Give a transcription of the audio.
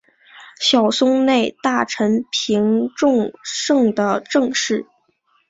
小松内大臣平重盛的正室。